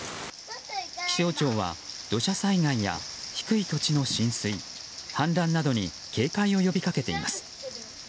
気象庁は土砂災害や低い土地の浸水氾濫などに警戒を呼びかけています。